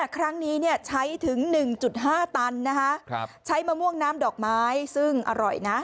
ครั้งนี้ใช้ถึง๑๕ตันใช้มะม่วงน้ำดอกไม้ซึ่งอร่อยนะ